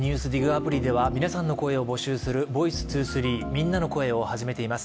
アプリでは皆さんの声を募集する「ｖｏｉｃｅ２３みんなの声」を始めています。